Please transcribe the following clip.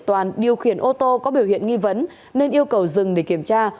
toàn điều khiển ô tô có biểu hiện nghi vấn nên yêu cầu dừng để kiểm tra